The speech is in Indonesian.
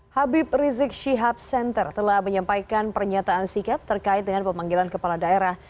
habib rizik syihab center telah menyampaikan pernyataan sikap terkait dengan pemanggilan kepala daerah